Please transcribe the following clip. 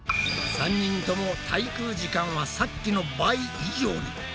３人とも滞空時間はさっきの倍以上に！